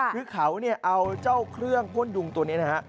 คือเขาเอาเจ้าเครื่องพ่นยุงตัวนี้นะครับ